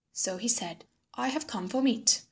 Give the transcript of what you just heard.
So he said, "I have come for meat.